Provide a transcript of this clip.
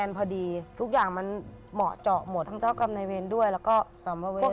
ลูกน้องกำเดาเจอกรรมนายเวรด้วยพี่มานี่เลย